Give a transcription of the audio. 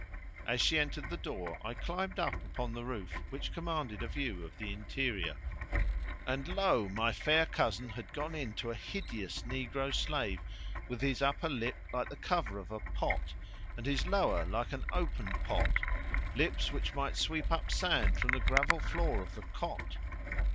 As she entered the door, I climbed upon the roof which commanded a view of the interior, and lo! my fair cousin had gone in to a hideous negro slave with his upper lip like the cover of a pot, and his lower like an open pot; lips which might sweep up sand from the gravel floor of the cot.